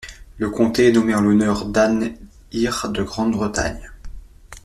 Le comté est nommé en l'honneur d'Anne Ire de Grande-Bretagne.